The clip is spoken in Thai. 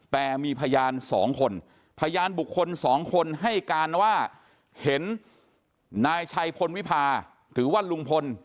แต่มีพยาน๒คนพยานบุคคล๒คนให้การว่าเห็นนายชัยพลวิพาหรือว่าลุงพล